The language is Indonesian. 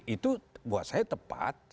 itu buat saya tepat